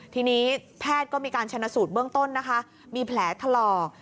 ทีนี้แพทย์ก็มีการชนะสูตรเบื้องต้นนะคะมีแผลถลอก